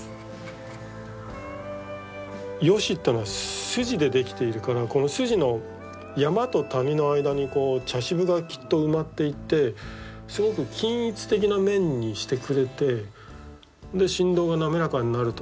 ヨシってのは筋でできているからこの筋の山と谷の間にこう茶渋がきっと埋まっていってすごく均一的な面にしてくれてで振動が滑らかになるとか。